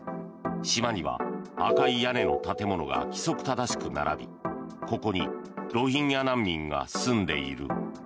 島には赤い屋根の建物が規則正しく並びここにロヒンギャ難民が住んでいる。